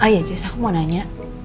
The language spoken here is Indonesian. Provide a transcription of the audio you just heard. nah aku mau nanya